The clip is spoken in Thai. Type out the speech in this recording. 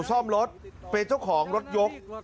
ซ่อมรถเป็นเจ้าของรถยก